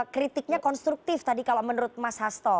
kritiknya konstruktif tadi kalau menurut mas hasto